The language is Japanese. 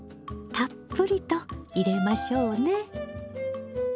たっぷりと入れましょうね。